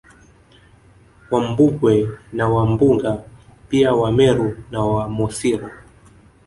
Wambugwe na Wambunga pia Wameru na Wamosiro